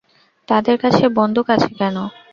তাদের কাছে বন্দুক আছে কেন?